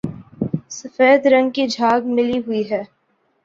سفید رنگ کی جھاگ ملی ہوئی ہے